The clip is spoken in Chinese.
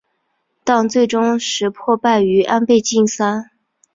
但最终石破败于安倍晋三。